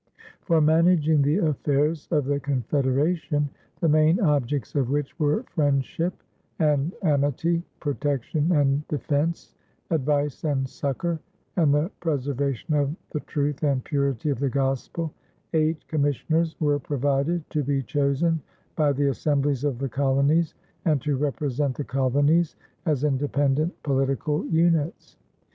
For managing the affairs of the confederation, the main objects of which were friendship and amity, protection and defense, advice and succor, and the preservation of the truth and purity of the Gospel, eight commissioners were provided, to be chosen by the assemblies of the colonies and to represent the colonies as independent political units.